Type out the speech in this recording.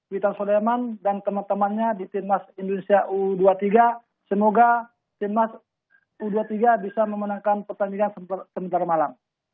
witan sodaiman dan teman temannya di timnas indonesia u dua puluh tiga semoga timnas u dua puluh tiga bisa memenangkan pertandingan sementara malang